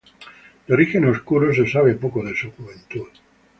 De origen oscuro, se sabe poco de su juventud.